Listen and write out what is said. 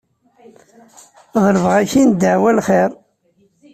Ḍelbeɣ-k-in ddeɛwa n lxir.